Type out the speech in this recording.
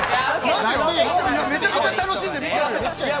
めちゃくちゃ楽しんで見てるよ。